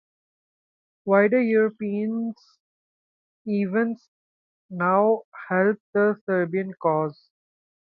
Wider European events now helped the Serbian cause.